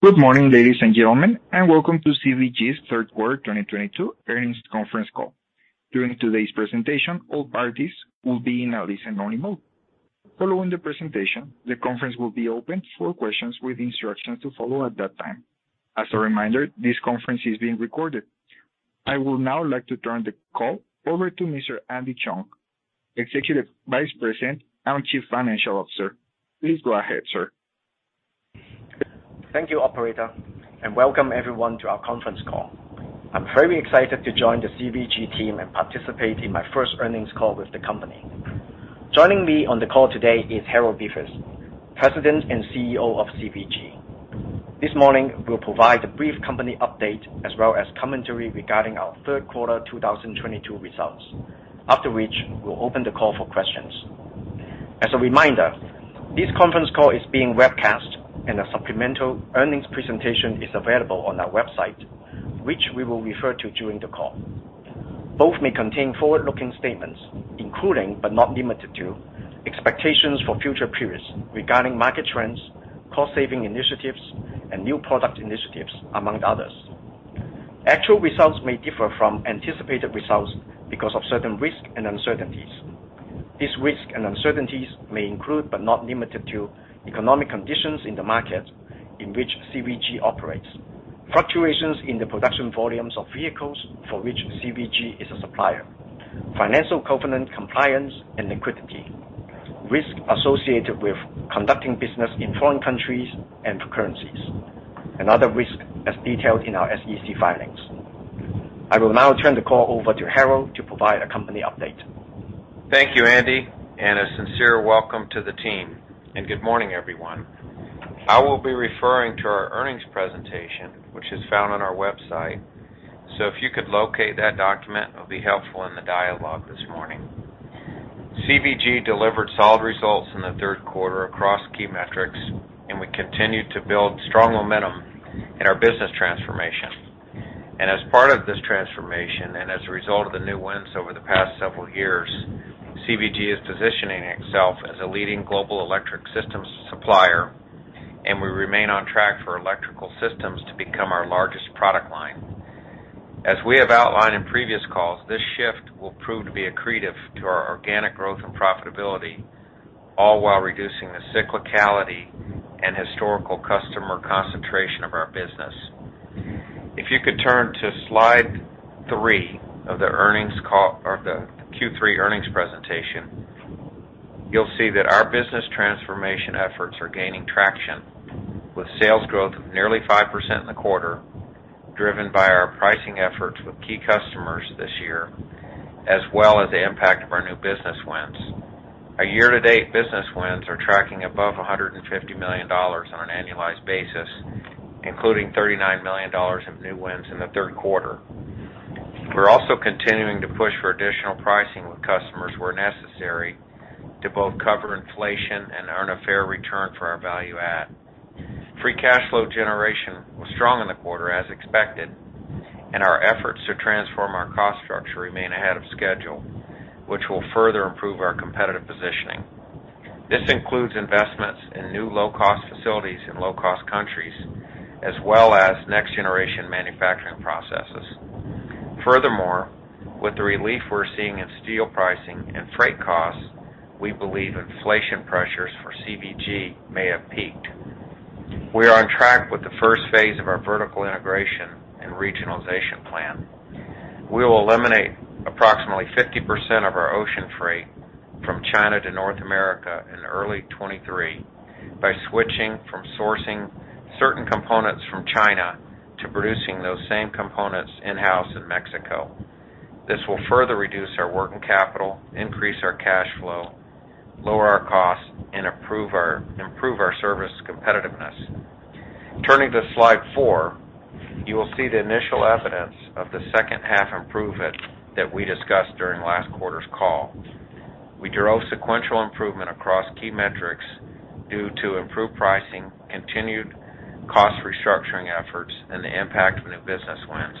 Good morning, ladies and gentlemen, and welcome to CVG's third quarter 2022 earnings conference call. During today's presentation, all parties will be in a listen-only mode. Following the presentation, the conference will be opened for questions with instructions to follow at that time. As a reminder, this conference is being recorded. I would now like to turn the call over to Mr. Andy Cheung, Executive Vice President and Chief Financial Officer. Please go ahead, sir. Thank you, operator, and welcome everyone to our conference call. I'm very excited to join the CVG team and participate in my first earnings call with the company. Joining me on the call today is Harold Bevis, President and CEO of CVG. This morning, we'll provide a brief company update as well as commentary regarding our third quarter 2022 results. After which, we'll open the call for questions. As a reminder, this conference call is being webcast and a supplemental earnings presentation is available on our website, which we will refer to during the call. Both may contain forward-looking statements, including, but not limited to, expectations for future periods regarding market trends, cost-saving initiatives, and new product initiatives, among others. Actual results may differ from anticipated results because of certain risks and uncertainties. These risks and uncertainties may include, but not limited to, economic conditions in the market in which CVG operates, fluctuations in the production volumes of vehicles for which CVG is a supplier, financial covenant compliance and liquidity, risks associated with conducting business in foreign countries and currencies, and other risks as detailed in our SEC filings. I will now turn the call over to Harold to provide a company update. Thank you, Andy, and a sincere welcome to the team. Good morning, everyone. I will be referring to our earnings presentation, which is found on our website. If you could locate that document, it'll be helpful in the dialogue this morning. CVG delivered solid results in the third quarter across key metrics, and we continued to build strong momentum in our business transformation. As part of this transformation, and as a result of the new wins over the past several years, CVG is positioning itself as a leading global Electrical Systems supplier, and we remain on track for Electrical Systems to become our largest product line. As we have outlined in previous calls, this shift will prove to be accretive to our organic growth and profitability, all while reducing the cyclicality and historical customer concentration of our business. If you could turn to slide three of the earnings call or the Q3 earnings presentation, you'll see that our business transformation efforts are gaining traction, with sales growth of nearly 5% in the quarter, driven by our pricing efforts with key customers this year, as well as the impact of our new business wins. Our year-to-date business wins are tracking above $150 million on an annualized basis, including $39 million of new wins in the third quarter. We're also continuing to push for additional pricing with customers where necessary to both cover inflation and earn a fair return for our value add. Free cash flow generation was strong in the quarter, as expected, and our efforts to transform our cost structure remain ahead of schedule, which will further improve our competitive positioning. This includes investments in new low-cost facilities in low-cost countries, as well as next-generation manufacturing processes. Furthermore, with the relief we're seeing in steel pricing and freight costs, we believe inflation pressures for CVG may have peaked. We are on track with the first phase of our vertical integration and regionalization plan. We will eliminate approximately 50% of our ocean freight from China to North America in early 2023 by switching from sourcing certain components from China to producing those same components in-house in Mexico. This will further reduce our working capital, increase our cash flow, lower our costs, and improve our service competitiveness. Turning to slide four, you will see the initial evidence of the second half improvement that we discussed during last quarter's call. We drove sequential improvement across key metrics due to improved pricing, continued cost restructuring efforts, and the impact of new business wins.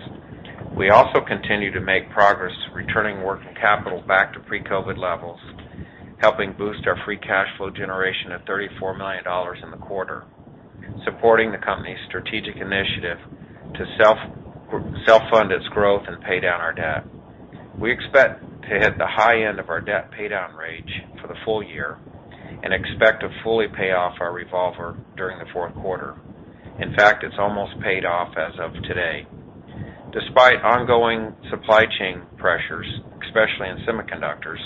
We also continue to make progress returning working capital back to pre-COVID levels, helping boost our free cash flow generation of $34 million in the quarter, supporting the company's strategic initiative to self-fund its growth and pay down our debt. We expect to hit the high end of our debt paydown range for the full year and expect to fully pay off our revolver during the fourth quarter. In fact, it's almost paid off as of today. Despite ongoing supply chain pressures, especially in semiconductors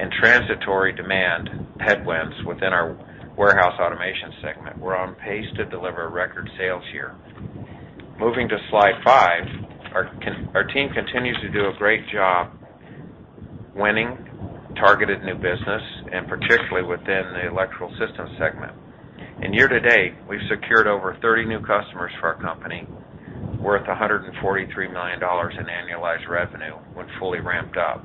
and transitory demand headwinds within our Warehouse Automation segment, we're on pace to deliver record sales here. Moving to slide five, our team continues to do a great job winning targeted new business, and particularly within the Electrical Systems segment. Year-to-date, we've secured over 30 new customers for our company, worth $143 million in annualized revenue when fully ramped up.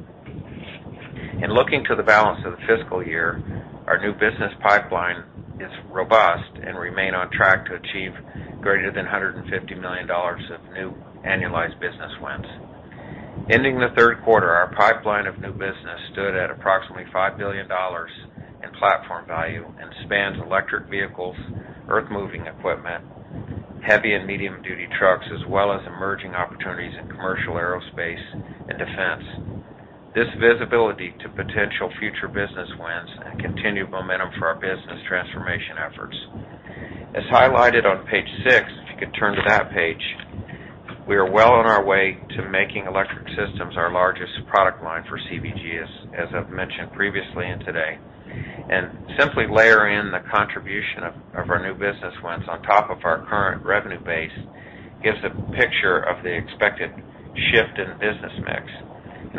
In looking to the balance of the fiscal year, our new business pipeline is robust and remain on track to achieve greater than $150 million of new annualized business wins. Ending the third quarter, our pipeline of new business stood at approximately $5 billion in platform value and spans electric vehicles, earth-moving equipment, heavy and medium-duty trucks, as well as emerging opportunities in commercial aerospace and defense. This visibility to potential future business wins and continued momentum for our business transformation efforts. As highlighted on page six, if you could turn to that page, we are well on our way to making Electrical Systems our largest product line for CVG's, as I've mentioned previously and today. Simply layer in the contribution of our new business wins on top of our current revenue base gives a picture of the expected shift in business mix.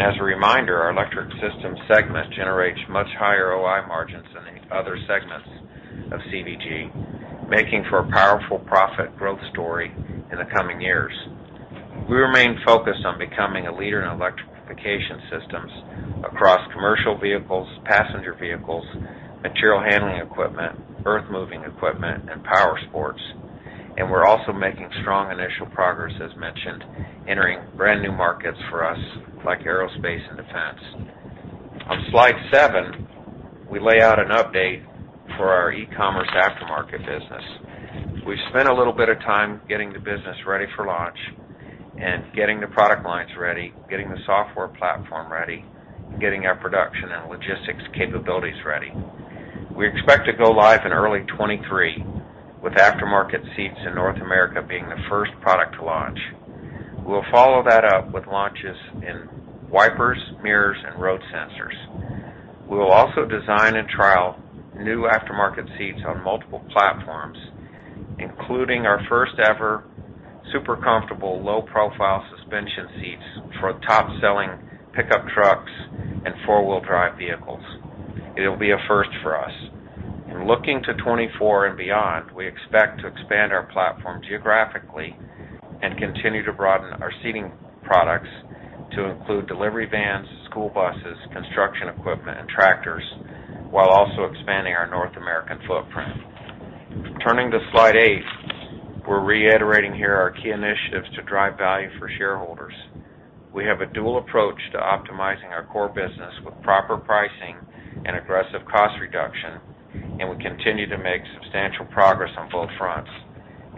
As a reminder, our Electrical Systems segment generates much higher OI margins than any other segments of CVG, making for a powerful profit growth story in the coming years. We remain focused on becoming a leader in electrification systems across commercial vehicles, passenger vehicles, material handling equipment, earth-moving equipment, and power sports. We're also making strong initial progress, as mentioned, entering brand-new markets for us, like aerospace and defense. On slide seven, we lay out an update for our e-commerce aftermarket business. We've spent a little bit of time getting the business ready for launch and getting the product lines ready, getting the software platform ready, getting our production and logistics capabilities ready. We expect to go live in early 2023, with aftermarket seats in North America being the first product to launch. We'll follow that up with launches in wipers, mirrors, and road sensors. We will also design and trial new aftermarket seats on multiple platforms, including our first-ever super comfortable, low-profile suspension seats for top-selling pickup trucks and four-wheel drive vehicles. It'll be a first for us. In looking to 2024 and beyond, we expect to expand our platform geographically and continue to broaden our seating products to include delivery vans, school buses, construction equipment, and tractors, while also expanding our North American footprint. Turning to slide eight, we're reiterating here our key initiatives to drive value for shareholders. We have a dual approach to optimizing our core business with proper pricing and aggressive cost reduction, and we continue to make substantial progress on both fronts.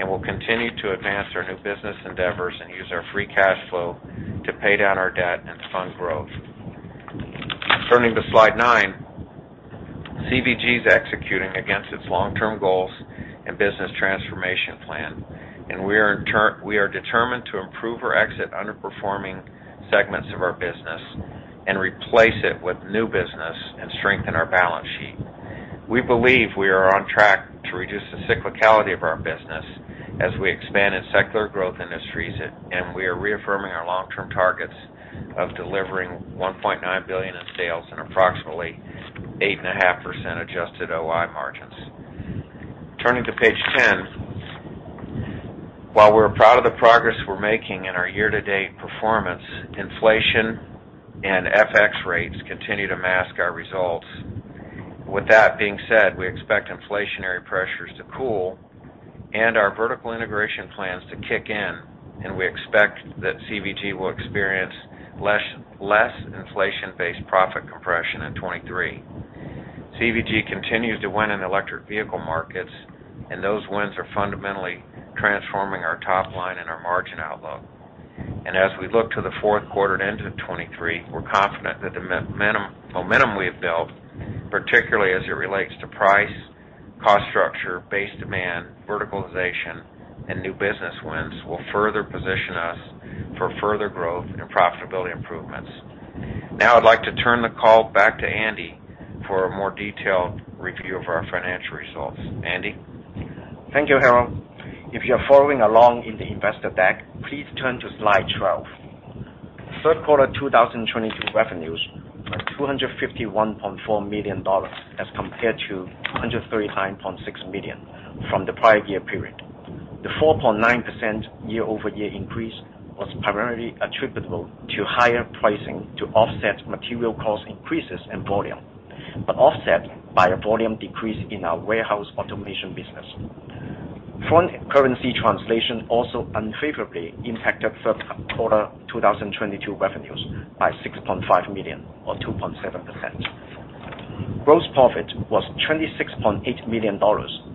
We'll continue to advance our new business endeavors and use our free cash flow to pay down our debt and fund growth. Turning to slide nine, CVG is executing against its long-term goals and business transformation plan, and we are determined to improve or exit underperforming segments of our business and replace it with new business and strengthen our balance sheet. We believe we are on track to reduce the cyclicality of our business as we expand in secular growth industries, and we are reaffirming our long-term targets of delivering $1.9 billion in sales and approximately 8.5% adjusted OI margins. Turning to page 10, while we're proud of the progress we're making in our year-to-date performance, inflation and FX rates continue to mask our results. With that being said, we expect inflationary pressures to cool and our vertical integration plans to kick in, and we expect that CVG will experience less inflation-based profit compression in 2023. CVG continues to win in electric vehicle markets, and those wins are fundamentally transforming our top line and our margin outlook. As we look to the fourth quarter and into 2023, we're confident that the momentum we have built, particularly as it relates to price, cost structure, base demand, verticalization, and new business wins, will further position us for further growth and profitability improvements. Now I'd like to turn the call back to Andy for a more detailed review of our financial results. Andy? Thank you, Harold Bevis. If you're following along in the investor deck, please turn to slide 12. Third quarter 2022 revenues are $251.4 million as compared to $139.6 million from the prior year period. The 4.9% year-over-year increase was primarily attributable to higher pricing to offset material cost increases and volume, but offset by a volume decrease in our Warehouse Automation business. Foreign currency translation also unfavorably impacted third quarter 2022 revenues by $6.5 million or 2.7%. Gross profit was $26.8 million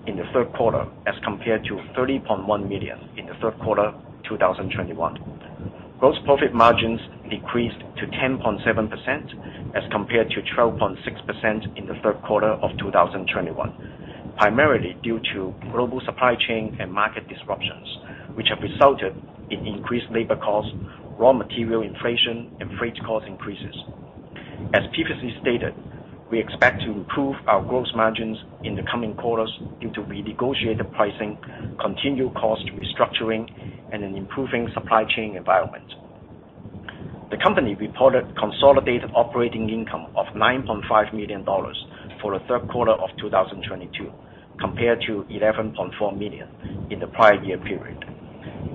in the third quarter as compared to $30.1 million in the third quarter 2021. Gross profit margins decreased to 10.7% as compared to 12.6% in the third quarter of 2021, primarily due to global supply chain and market disruptions, which have resulted in increased labor costs, raw material inflation, and freight cost increases. As previously stated, we expect to improve our gross margins in the coming quarters due to renegotiated pricing, continued cost restructuring, and an improving supply chain environment. The company reported consolidated operating income of $9.5 million for the third quarter of 2022, compared to $11.4 million in the prior year period,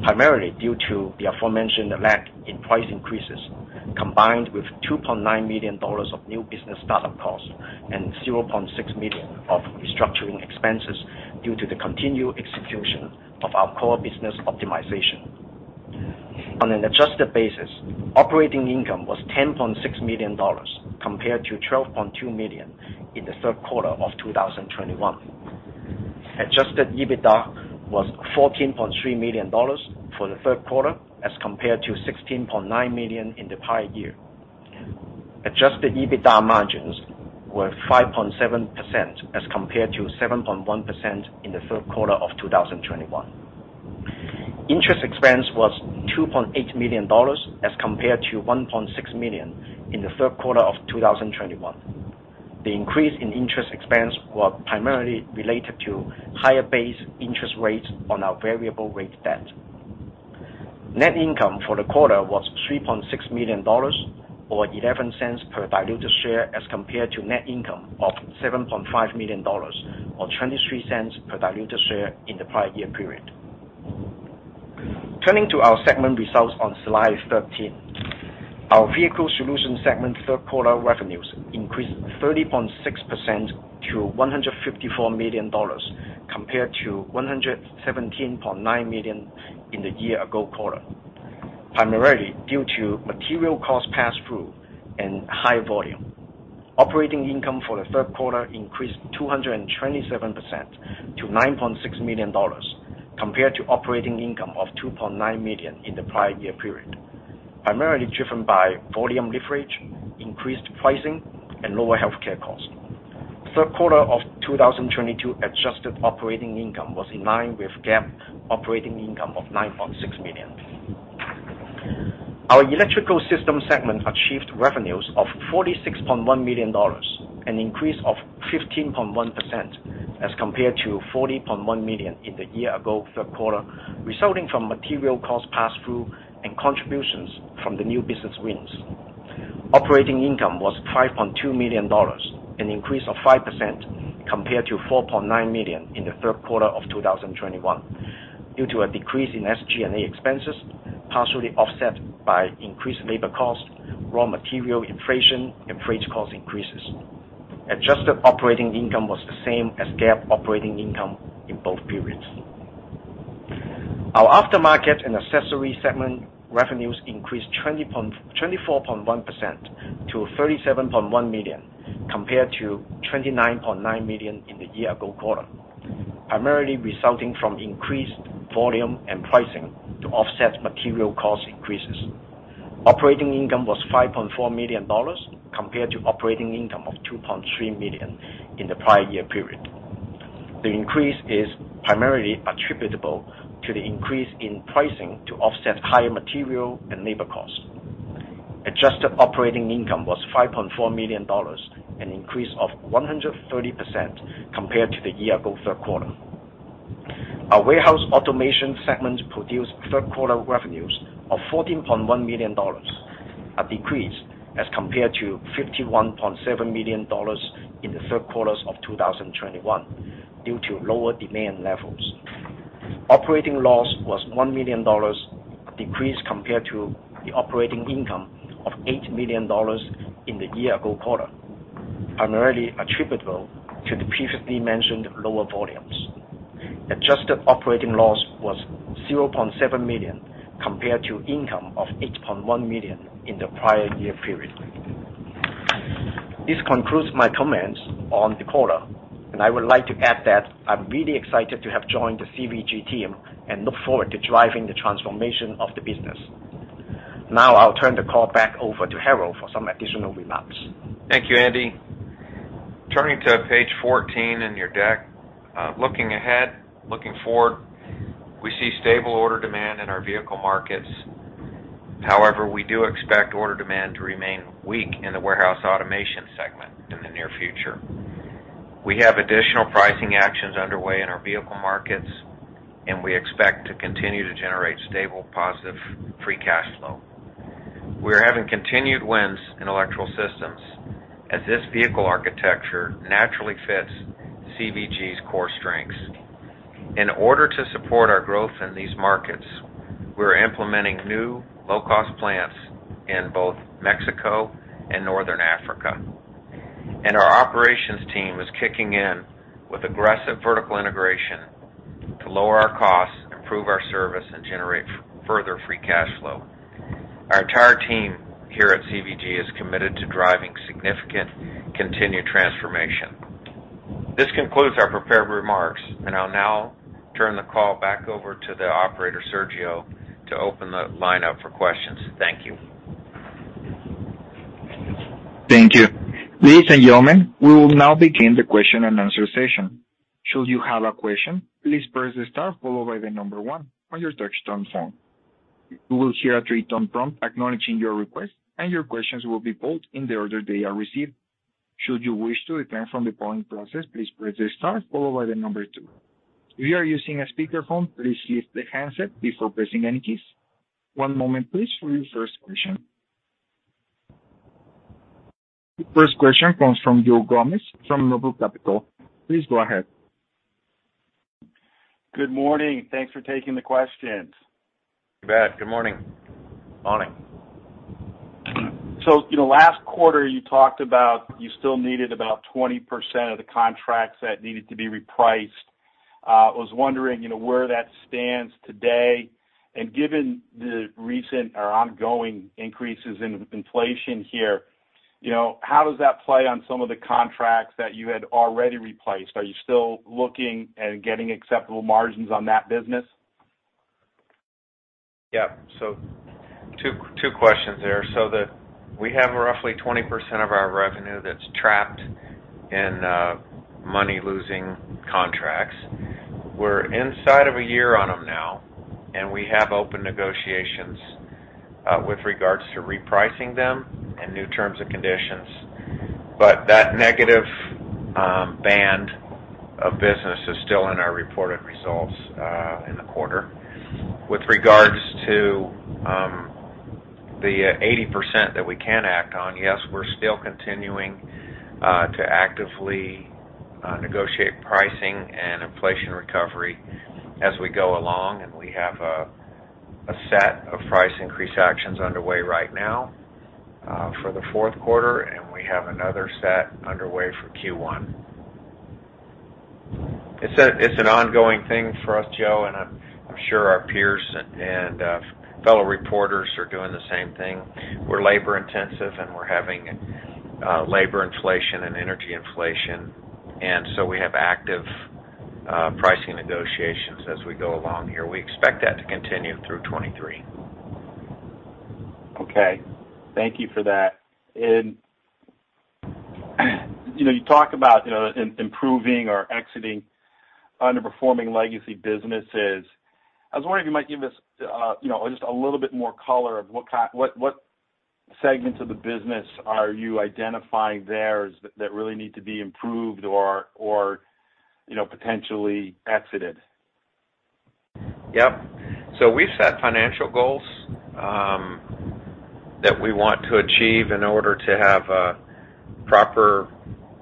primarily due to the aforementioned lack of price increases. Combined with $2.9 million of new business startup costs and $0.6 million of restructuring expenses due to the continued execution of our core business optimization. On an adjusted basis, operating income was $10.6 million compared to $12.2 million in the third quarter of 2021. Adjusted EBITDA was $14.3 million for the third quarter, as compared to $16.9 million in the prior year. Adjusted EBITDA margins were 5.7% as compared to 7.1% in the third quarter of 2021. Interest expense was $2.8 million as compared to $1.6 million in the third quarter of 2021. The increase in interest expense were primarily related to higher base interest rates on our variable rate debt. Net income for the quarter was $3.6 million or $0.11 per diluted share, as compared to net income of $7.5 million or $0.23 per diluted share in the prior year period. Turning to our segment results on slide 13. Our Vehicle Solutions segment third quarter revenues increased 30.6% to $154 million, compared to $117.9 million in the year ago quarter, primarily due to material cost pass-through and high volume. Operating income for the third quarter increased 227% to $9.6 million, compared to operating income of $2.9 million in the prior year period, primarily driven by volume leverage, increased pricing, and lower healthcare costs. Third quarter of 2022 adjusted operating income was in line with GAAP operating income of $9.6 million. Our Electrical Systems segment achieved revenues of $46.1 million, an increase of 15.1% as compared to $40.1 million in the year ago third quarter, resulting from material cost pass-through and contributions from the new business wins. Operating income was $5.2 million, an increase of 5% compared to $4.9 million in the third quarter of 2021 due to a decrease in SG&A expenses, partially offset by increased labor costs, raw material inflation, and freight cost increases. Adjusted operating income was the same as GAAP operating income in both periods. Our Aftermarket & Accessories segment revenues increased 24.1% to $37.1 million, compared to $29.9 million in the year ago quarter, primarily resulting from increased volume and pricing to offset material cost increases. Operating income was $5.4 million compared to operating income of $2.3 million in the prior year period. The increase is primarily attributable to the increase in pricing to offset higher material and labor costs. Adjusted operating income was $5.4 million, an increase of 130% compared to the year ago third quarter. Our Warehouse Automation segment produced third quarter revenues of $14.1 million, a decrease as compared to $51.7 million in the third quarter of 2021 due to lower demand levels. Operating loss was $1 million, a decrease compared to the operating income of $8 million in the year-ago quarter, primarily attributable to the previously mentioned lower volumes. Adjusted operating loss was $0.7 million compared to income of $8.1 million in the prior year period. This concludes my comments on the quarter, and I would like to add that I'm really excited to have joined the CVG team and look forward to driving the transformation of the business. Now I'll turn the call back over to Harold for some additional remarks. Thank you, Andy. Turning to page 14 in your deck. Looking ahead, looking forward, we see stable order demand in our vehicle markets. However, we do expect order demand to remain weak in the Warehouse Automation segment in the near future. We have additional pricing actions underway in our vehicle markets, and we expect to continue to generate stable, positive free cash flow. We are having continued wins in Electrical Systems as this vehicle architecture naturally fits CVG's core strengths. In order to support our growth in these markets, we are implementing new low-cost plants in both Mexico and North Africa, and our operations team is kicking in with aggressive vertical integration to lower our costs, improve our service, and generate further free cash flow. Our entire team here at CVG is committed to driving significant continued transformation. This concludes our prepared remarks, and I'll now turn the call back over to the operator, Sergio, to open the line up for questions. Thank you. Thank you. Ladies and gentlemen, we will now begin the question and answer session. Should you have a question, please press star followed by the number one on your touchtone phone. You will hear a 3-tone prompt acknowledging your request, and your questions will be pulled in the order they are received. Should you wish to withdraw from the polling process, please press star followed by the number two. If you are using a speakerphone, please lift the handset before pressing any keys. One moment please for your first question. The first question comes from Joe Gomes from Noble Capital Markets. Please go ahead. Good morning. Thanks for taking the questions. You bet. Good morning. Morning. you know, last quarter, you talked about you still needed about 20% of the contracts that needed to be repriced. was wondering, you know, where that stands today, and given the recent or ongoing increases in inflation here, you know, how does that play on some of the contracts that you had already repriced? Are you still looking at getting acceptable margins on that business? Yeah. Two questions there. We have roughly 20% of our revenue that's trapped in money-losing contracts. We're inside of a year on them now, and we have open negotiations with regards to repricing them and new terms and conditions. That negative band of business is still in our reported results in the quarter. With regards to the 80% that we can act on, yes, we're still continuing to actively negotiate pricing and inflation recovery as we go along, and we have a set of price increase actions underway right now for the fourth quarter, and we have another set underway for Q1. It's an ongoing thing for us, Joe, and I'm sure our peers and fellow reporters are doing the same thing. We're labor intensive, and we're having labor inflation and energy inflation, and so we have active pricing negotiations as we go along here. We expect that to continue through 2023. Okay. Thank you for that. You know, you talk about, you know, improving or exiting underperforming legacy businesses. I was wondering if you might give us, you know, just a little bit more color on what segments of the business are you identifying there as that really need to be improved or, you know, potentially exited? Yep. We've set financial goals that we want to achieve in order to have a proper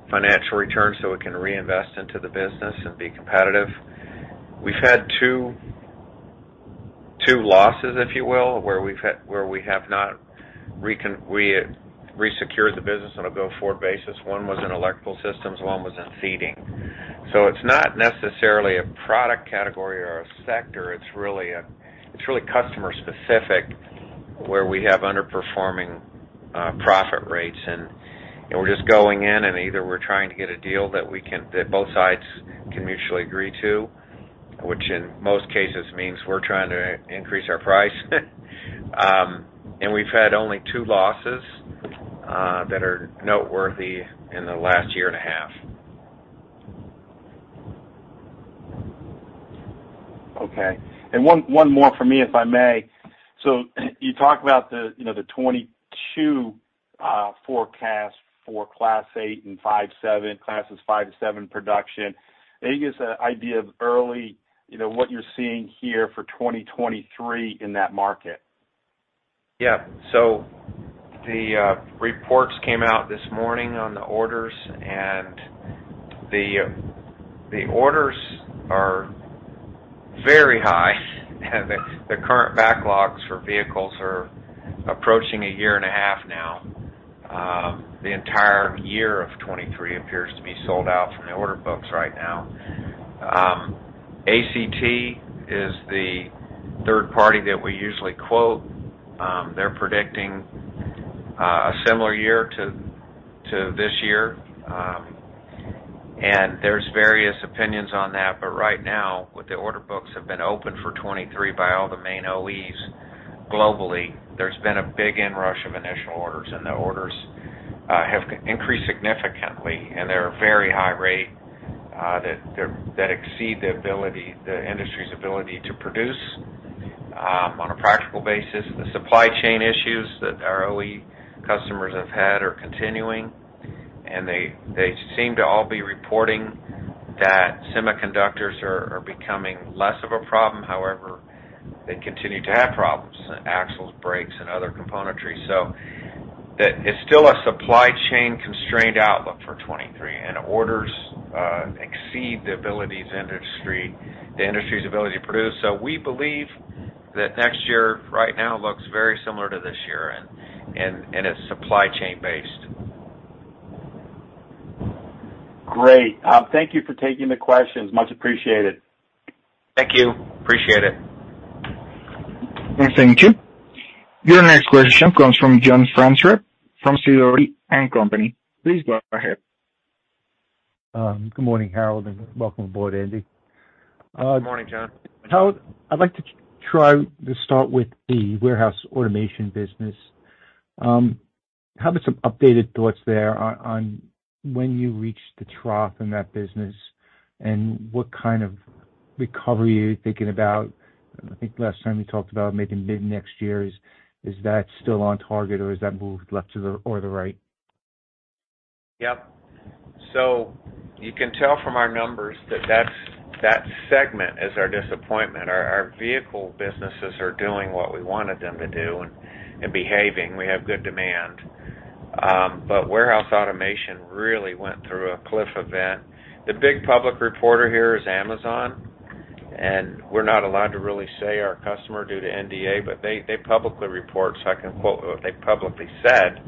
financial return so we can reinvest into the business and be competitive. We've had two losses, if you will, where we have not resecured the business on a go-forward basis. One was in Electrical Systems, one was in Seating. It's not necessarily a product category or a sector, it's really customer specific, where we have underperforming profit rates. You know, we're just going in, and either we're trying to get a deal that both sides can mutually agree to, which in most cases means we're trying to increase our price. We've had only two losses that are noteworthy in the last year and a half. Okay. One more for me, if I may. You talk about the, you know, the 2022 forecast for Class 8 and 5-7, Classes 5-7 production. Can you give us an idea of early, you know, what you're seeing here for 2023 in that market? Yeah. The reports came out this morning on the orders, and the orders are very high, and the current backlogs for vehicles are approaching a year and a half now. The entire year of 2023 appears to be sold out from the order books right now. ACT is the third party that we usually quote. They're predicting a similar year to this year. And there's various opinions on that, but right now, with the order books have been open for 2023 by all the main OEs globally, there's been a big inrush of initial orders, and the orders have increased significantly, and they're very high rate that exceed the ability, the industry's ability to produce on a practical basis. The supply chain issues that our OE customers have had are continuing, and they seem to all be reporting that semiconductors are becoming less of a problem. However, they continue to have problems, axles, brakes, and other componentry. It's still a supply chain constrained outlook for 2023, and orders exceed the industry's ability to produce. We believe that next year right now looks very similar to this year and it's supply chain based. Great. Thank you for taking the questions. Much appreciated. Thank you. Appreciate it. Yes. Thank you. Your next question comes from John Franzreb from Sidoti & Company. Please go ahead. Good morning, Harold, and welcome aboard, Andy. Good morning, John. Harold, I'd like to try to start with the warehouse automation business. How about some updated thoughts there on when you reached the trough in that business and what kind of recovery are you thinking about? I think last time you talked about maybe mid-next year. Is that still on target, or has that moved left or to the right? Yep. You can tell from our numbers that that segment is our disappointment. Our vehicle businesses are doing what we wanted them to do and behaving. We have good demand, but Warehouse Automation really went through a cliff event. The big public reporter here is Amazon, and we're not allowed to really say our customer due to NDA, but they publicly report, so I can quote what they publicly said,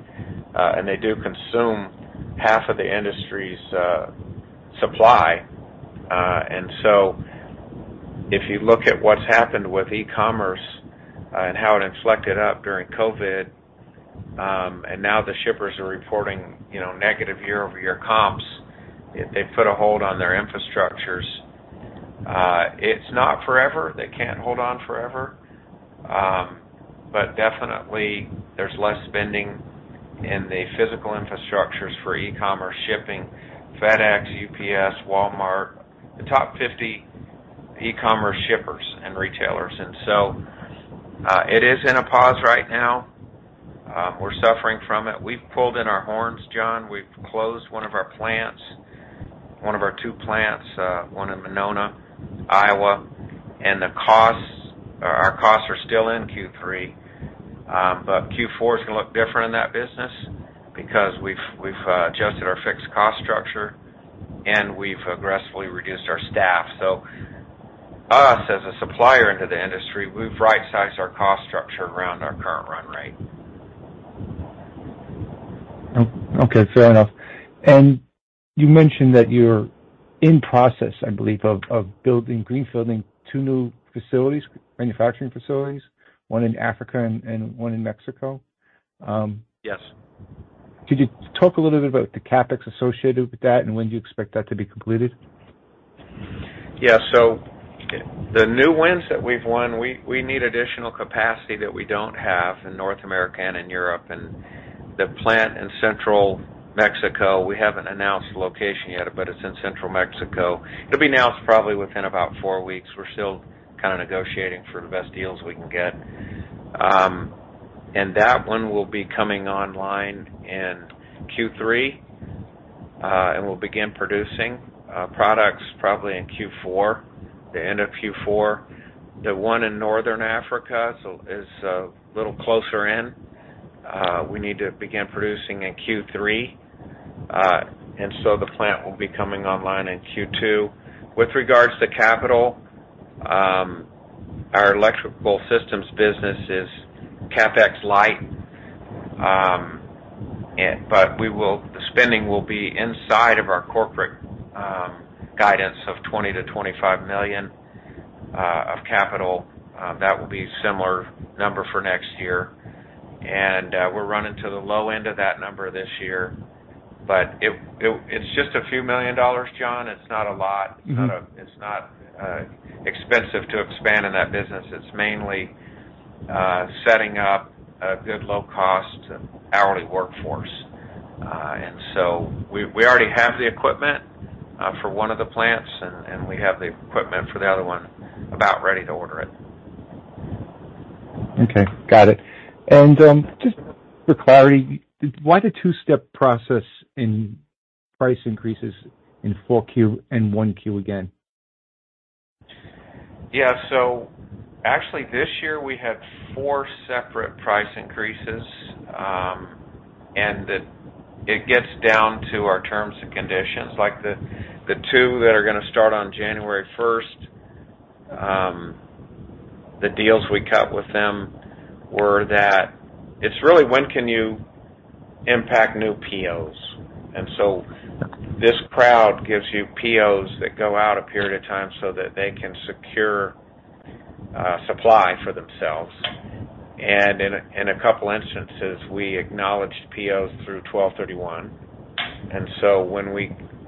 and they do consume half of the industry's supply. If you look at what's happened with e-commerce, and how it inflected up during COVID, and now the shippers are reporting, you know, negative year-over-year comps, they put a hold on their infrastructures. It's not forever. They can't hold on forever. Definitely there's less spending in the physical infrastructures for e-commerce shipping, FedEx, UPS, Walmart, the top 50 e-commerce shippers and retailers. It is in a pause right now. We're suffering from it. We've pulled in our horns, John. We've closed one of our plants, one of our two plants, one in Monona, Iowa. The costs, our costs are still in Q3. Q4 is gonna look different in that business because we've adjusted our fixed cost structure, and we've aggressively reduced our staff. Us, as a supplier into the industry, we've rightsized our cost structure around our current run rate. Okay, fair enough. You mentioned that you're in process, I believe, of building, greenfielding two new facilities, manufacturing facilities, one in Africa and one in Mexico. Yes. Could you talk a little bit about the CapEx associated with that and when do you expect that to be completed? The new wins that we've won, we need additional capacity that we don't have in North America and in Europe. The plant in Central Mexico, we haven't announced the location yet, but it's in Central Mexico. It'll be announced probably within about four weeks. We're still kinda negotiating for the best deals we can get. That one will be coming online in Q3, and we'll begin producing products probably in Q4, the end of Q4. The one in Northern Africa is a little closer in. We need to begin producing in Q3. The plant will be coming online in Q2. With regards to capital, our Electrical Systems business is CapEx light. The spending will be inside of our corporate guidance of $20-$25 million of capital. That will be similar number for next year. We're running to the low end of that number this year. It's just $a few million, John. It's not a lot. Mm-hmm. It's not expensive to expand in that business. It's mainly setting up a good low-cost hourly workforce. We already have the equipment for one of the plants and we have the equipment for the other one about ready to order it. Okay. Got it. Just for clarity, why the two-step process in price increases in 4Q and 1Q again? Yeah. Actually, this year we had four separate price increases, and it gets down to our terms and conditions. Like the two that are gonna start on January first, the deals we cut with them were that it's really when can you impact new POs. These customers give you POs that go out a period of time so that they can secure supply for themselves. In a couple instances, we acknowledged POs through 12/31.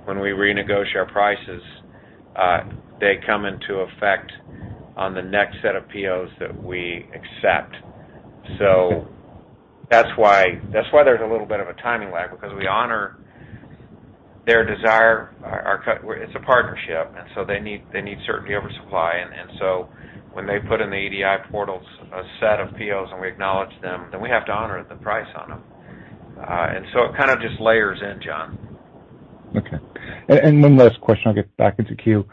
When we renegotiate our prices, they come into effect on the next set of POs that we accept. That's why there's a little bit of a timing lag because we honor their desire. It's a partnership, and so they need certainty over supply. When they put in the EDI portals a set of POs and we acknowledge them, then we have to honor the price on them. It kind of just layers in, John. Okay. One last question, I'll get back into queue.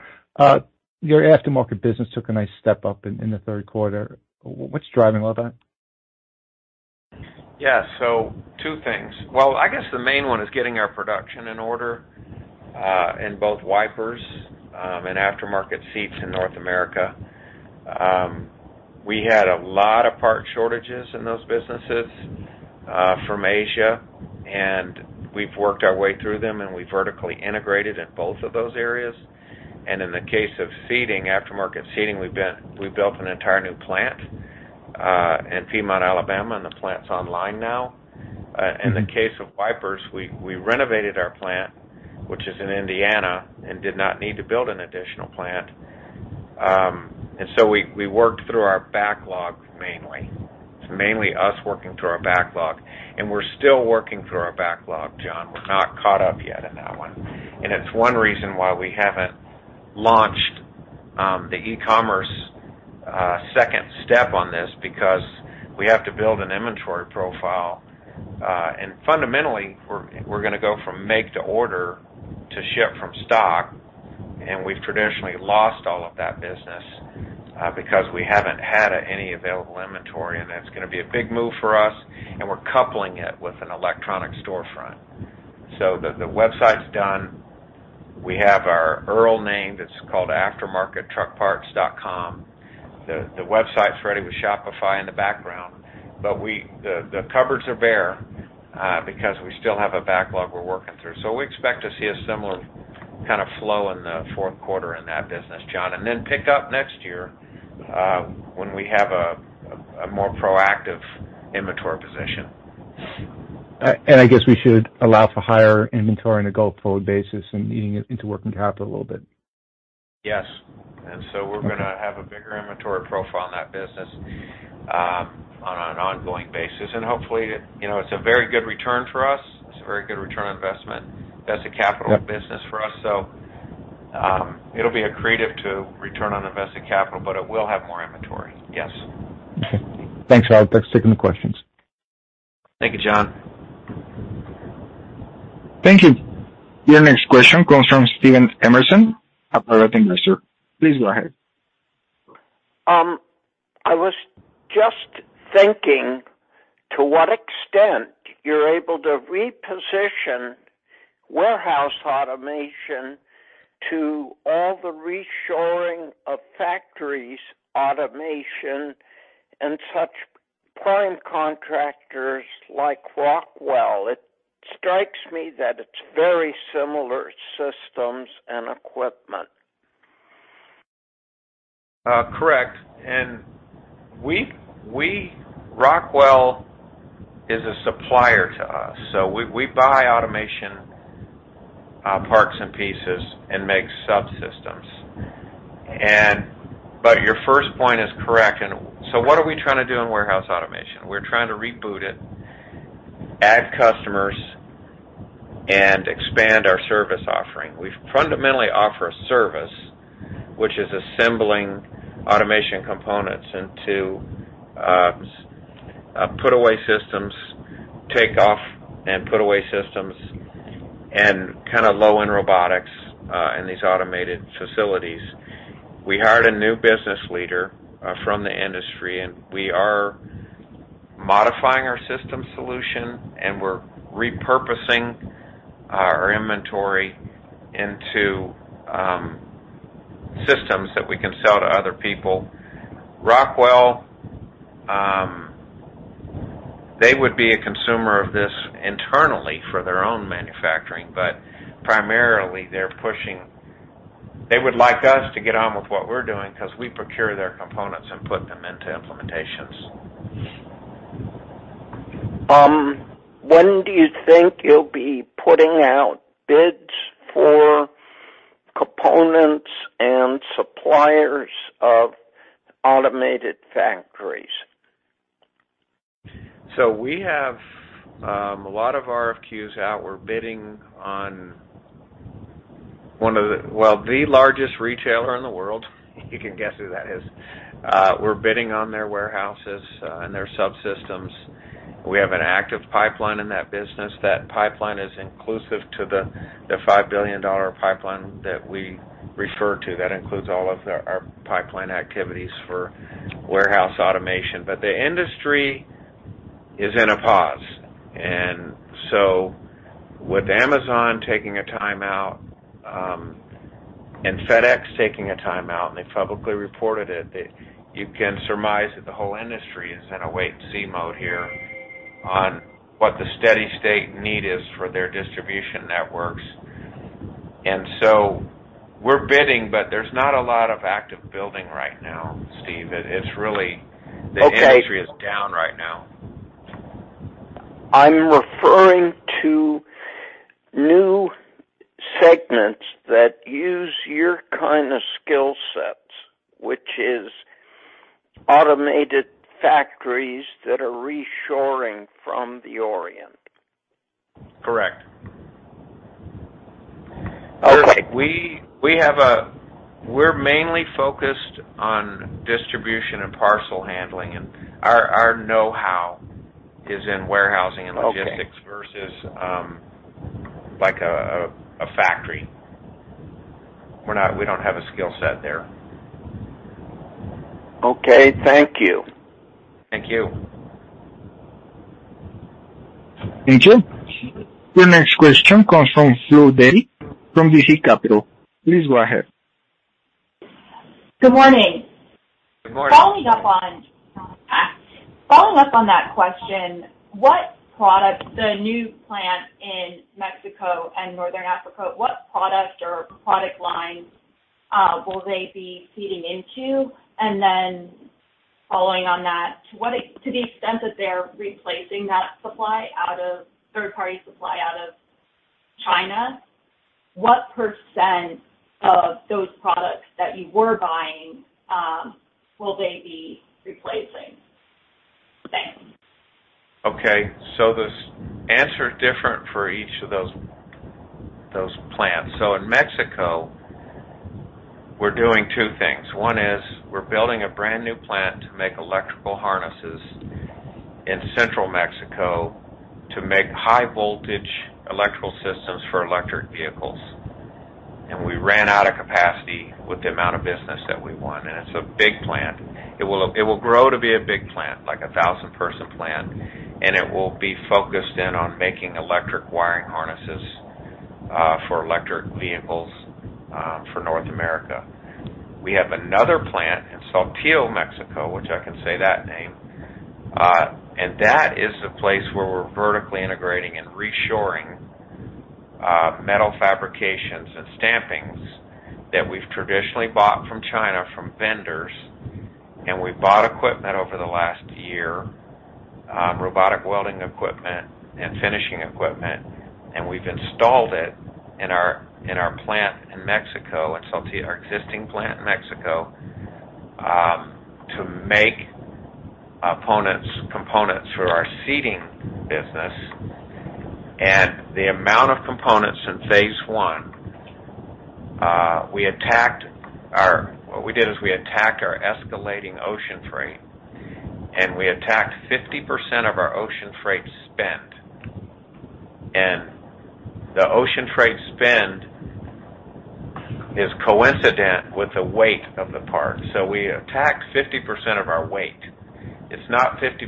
Your aftermarket business took a nice step up in the third quarter. What's driving all that? Yeah. Two things. Well, I guess the main one is getting our production in order in both wipers and aftermarket seats in North America. We had a lot of part shortages in those businesses from Asia, and we've worked our way through them and we vertically integrated in both of those areas. In the case of seating, aftermarket seating, we've built an entire new plant in Piedmont, Alabama, and the plant's online now. In the case of wipers, we renovated our plant, which is in Indiana, and did not need to build an additional plant. We worked through our backlog mainly. It's mainly us working through our backlog. We're still working through our backlog, John. We're not caught up yet in that one. It's one reason why we haven't launched the e-commerce second step on this because we have to build an inventory profile. Fundamentally, we're gonna go from make to order to ship from stock. We've traditionally lost all of that business because we haven't had any available inventory, and that's gonna be a big move for us, and we're coupling it with an electronic storefront. The website's done. We have our URL name that's called AftermarketTruckParts.com. The website's ready with Shopify in the background. The cupboards are bare because we still have a backlog we're working through. We expect to see a similar kind of flow in the fourth quarter in that business, John, and then pick up next year when we have a more proactive inventory position. I guess we should allow for higher inventory on a go-forward basis and leaning it into working capital a little bit. Yes. We're gonna have a bigger inventory profile in that business, on an ongoing basis. Hopefully, it, you know, it's a very good return for us. It's a very good return on investment. That's a capital business for us, so it'll be accretive to return on invested capital, but it will have more inventory, yes. Okay. Thanks, Harold Bevis. That's taking the questions. Thank you, John. Thank you. Your next question comes from Steven Emerson, a private investor. Please go ahead. I was just thinking to what extent you're able to reposition Warehouse Automation to all the reshoring of factories automation and such prime contractors like Rockwell Automation. It strikes me that it's very similar systems and equipment. Correct. Rockwell Automation is a supplier to us, so we buy automation parts and pieces and make subsystems. Your first point is correct. What are we trying to do in Warehouse Automation? We're trying to reboot it, add customers, and expand our service offering. We fundamentally offer a service, which is assembling automation components into put-away systems, take-off and put-away systems, and kinda low-end robotics in these automated facilities. We hired a new business leader from the industry, and we are modifying our system solution, and we're repurposing our inventory into systems that we can sell to other people. Rockwell Automation, they would be a consumer of this internally for their own manufacturing, but primarily they're pushing. They would like us to get on with what we're doing because we procure their components and put them into implementations. When do you think you'll be putting out bids for components and suppliers of automated factories? We have a lot of RFQs out. We're bidding on one of the, well, the largest retailer in the world. You can guess who that is. We're bidding on their warehouses and their subsystems. We have an active pipeline in that business. That pipeline is inclusive to the $5 billion pipeline that we refer to. That includes all of our pipeline activities for Warehouse Automation. The industry is in a pause. With Amazon taking a time out and FedEx taking a time out, and they publicly reported it, that you can surmise that the whole industry is in a wait and see mode here on what the steady-state need is for their distribution networks. We're bidding, but there's not a lot of active building right now, Steve. It's really. Okay. The industry is down right now. I'm referring to new segments that use your kind of skill sets, which is automated factories that are reshoring from the Orient. Correct. Okay. We're mainly focused on distribution and parcel handling, and our know-how is in warehousing and logistics. Okay. versus like a factory. We don't have a skill set there. Okay, thank you. Thank you. Thank you. Your next question comes from Douglas Dethy from DC Capital. Please go ahead. Good morning. Good morning. Following up on that question, what products, the new plant in Mexico and Northern Africa, what product or product lines will they be feeding into? Following on that, to the extent that they're replacing that third-party supply out of China, what % of those products that you were buying will they be replacing? Thanks. Okay. This answer is different for each of those plants. In Mexico we're doing two things. One is we're building a brand new plant to make electrical harnesses in central Mexico to make high voltage electrical systems for electric vehicles. We ran out of capacity with the amount of business that we want. It's a big plant. It will grow to be a big plant, like a 1,000-person plant, and it will be focused in on making electric wiring harnesses for electric vehicles for North America. We have another plant in Saltillo, Mexico, which I can say that name. That is the place where we're vertically integrating and reshoring metal fabrications and stampings that we've traditionally bought from China, from vendors. We bought equipment over the last year, robotic welding equipment and finishing equipment, and we've installed it in our plant in Mexico, in Saltillo, our existing plant in Mexico, to make components for our seating business. The amount of components in phase one, What we did is we attacked our escalating ocean freight, and we attacked 50% of our ocean freight spend. The ocean freight spend is coincident with the weight of the part. We attacked 50% of our weight. It's not 50%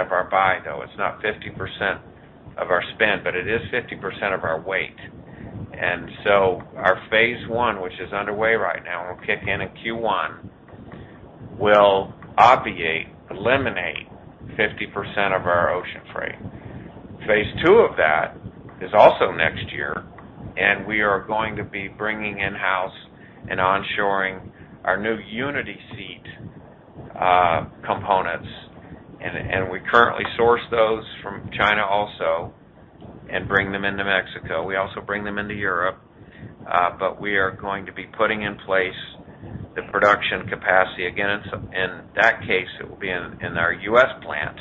of our buy, though. It's not 50% of our spend, but it is 50% of our weight. Our phase one, which is underway right now, it'll kick in in Q1, will obviate, eliminate 50% of our ocean freight. Phase two of that is also next year, and we are going to be bringing in-house and onshoring our new UNITY Seat components. We currently source those from China also and bring them into Mexico. We also bring them into Europe, but we are going to be putting in place the production capacity. Again, in that case, it will be in our U.S. plant.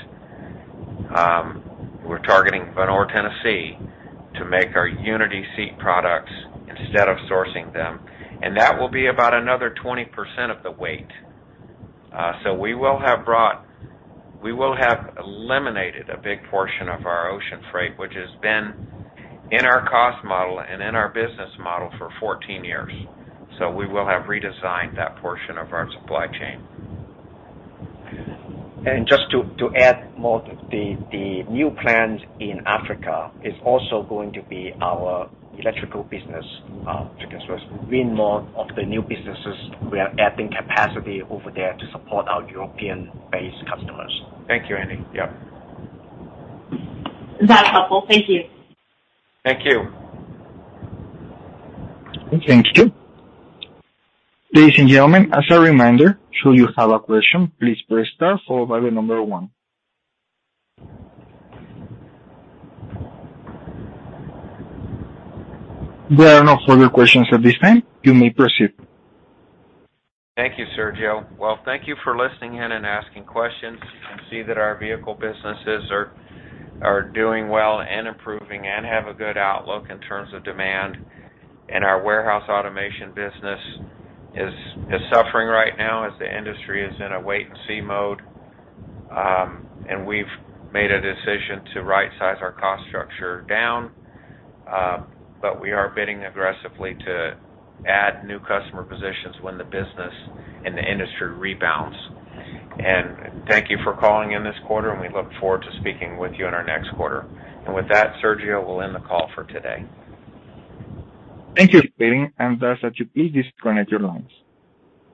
We're targeting Vonore, Tennessee, to make our UNITY Seat products instead of sourcing them. That will be about another 20% of the weight. We will have eliminated a big portion of our ocean freight, which has been in our cost model and in our business model for 14 years. We will have redesigned that portion of our supply chain. Just to add more, the new plant in Africa is also going to be our electrical business. We know of the new businesses, we are adding capacity over there to support our European-based customers. Thank you, Andy. Yep. That's helpful. Thank you. Thank you. Thank you. Ladies and gentlemen, as a reminder, should you have a question, please press star followed by the number one. There are no further questions at this time. You may proceed. Thank you, Sergio. Well, thank you for listening in and asking questions. You can see that our vehicle businesses are doing well and improving and have a good outlook in terms of demand. Our Warehouse Automation business is suffering right now as the industry is in a wait and see mode. We've made a decision to right size our cost structure down. We are bidding aggressively to add new customer positions when the business and the industry rebounds. Thank you for calling in this quarter, and we look forward to speaking with you in our next quarter. With that, Sergio, we'll end the call for today. Thank you, Steven. Thus I should please disconnect your lines.